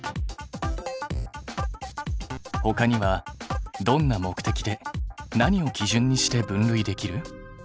ほかにはどんな目的で何を基準にして分類できる？